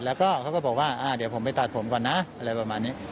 แล้วก็เขาก็บอกว่าเดี๋ยวผมไปตัดผมก่อนนะอะไรประมาณนี้